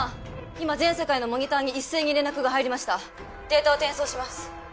今全世界のモニターに一斉に連絡が入りましたデータを転送します